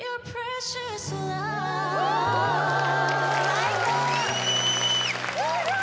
・最高！